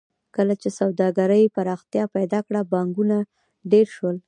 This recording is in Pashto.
کله چې سوداګرۍ پراختیا پیدا کړه بانکونه ډېر شول